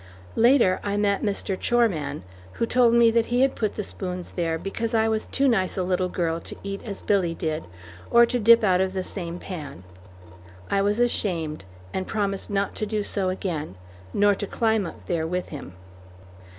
Later, I met Mr. Choreman, who told me that he had put the spoons there because I was too nice a little girl to eat as Billy did, or to dip out of the same pan. I was ashamed and promised not to do so again, nor to climb up there with him.